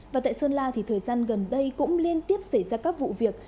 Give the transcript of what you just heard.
và tại sơn la thì thời gian gần đây cũng liên tiếp xảy ra các vụ việc